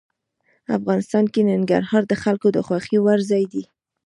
افغانستان کې ننګرهار د خلکو د خوښې وړ ځای دی.